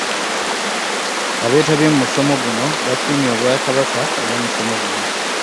Abeetabye mu musomo guno basiimye Obwakabaka olw’omusomo guno .